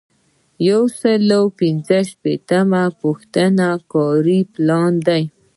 یو سل او پنځه شپیتمه پوښتنه کاري پلان دی.